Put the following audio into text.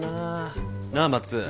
なあ松。